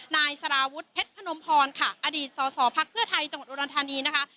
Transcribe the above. นายสารวุฒิเพชรพนมพรค่ะอดีตสอสอพักเพื่อไทยจังหวัดอุดรธานีนะคะ